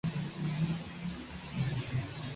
La diferencia más obvia es la antena plumosa.